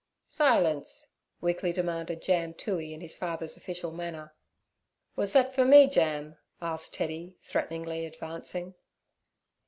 'Silence' weakly demanded Jam Toohey in his father's official manner. 'Was that fur me, Jam?' asked Teddy, threateningly advancing.